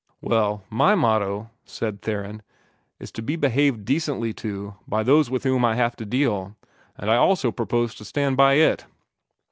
"Well, my motto," said Theron, "is to be behaved decently to by those with whom I have to deal; and I also propose to stand by it."